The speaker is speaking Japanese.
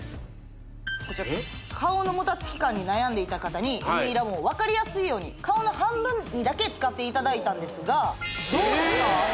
こちら顔のもたつき感に悩んでいた方にＭＥラボンを分かりやすいように顔の半分にだけ使っていただいたんですがどうですか？